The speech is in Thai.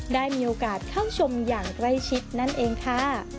ได้มีโอกาสเข้าชมอย่างใกล้ชิดนั่นเองค่ะ